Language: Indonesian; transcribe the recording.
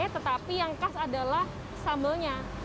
tetapi yang khas adalah sambalnya